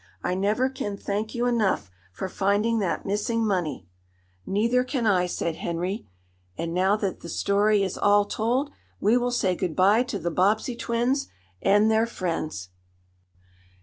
I never can thank you enough for finding that missing money." "Neither can I," said Henry. And now that the story is all told, we will say good bye to the Bobbsey twins and their friends.